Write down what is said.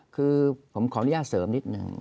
คือผมขออนุญาตเสริมนิดหนึ่ง